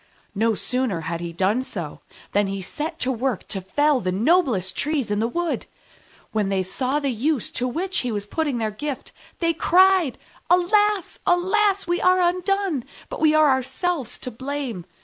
No sooner had he done so than he set to work to fell the noblest Trees in the wood. When they saw the use to which he was putting their gift, they cried, "Alas! alas! We are undone, but we are ourselves to blame.